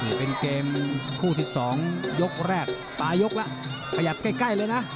นี่เป็นเกมคู่ที่๒ยกแรกปลายกแล้วขยับใกล้เลยนะ